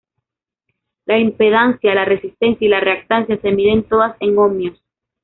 La impedancia, la resistencia y la reactancia se miden todas en ohmios.